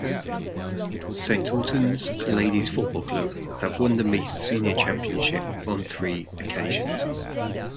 St.Ultans Ladies Football Club have won the Meath Senior Championship on three occasions.